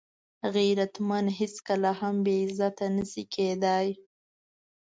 غیرتمند هیڅکله هم بېغیرته نه شي کېدای